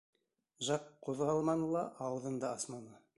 Жак ҡуҙғалманы ла, ауыҙын да асманы.